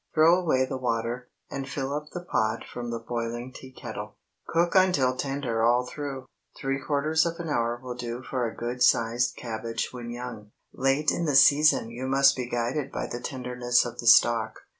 Throw away the water, and fill up the pot from the boiling tea kettle. Cook until tender all through. Three quarters of an hour will do for a good sized cabbage when young. Late in the season you must be guided by the tenderness of the stalk.